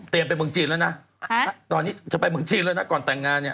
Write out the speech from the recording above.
ไปเมืองจีนแล้วนะตอนนี้จะไปเมืองจีนแล้วนะก่อนแต่งงานเนี่ย